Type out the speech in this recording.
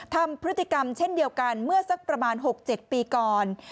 ทำพฤติกรรมเช่นเดียวกันเมื่อสักประมาณ๖๗ปีก่อน